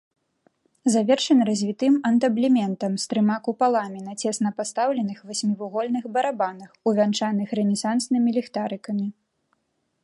Завершаны развітым антаблементам з трыма купаламі на цесна пастаўленых васьмівугольных барабанах, увянчаных рэнесанснымі ліхтарыкамі.